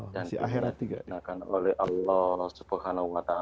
dan diberikan oleh allah swt